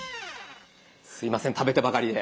すいません食べてばかりで。